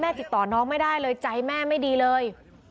ติดต่อน้องไม่ได้เลยใจแม่ไม่ดีเลย